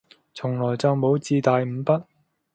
從來就冇自帶五筆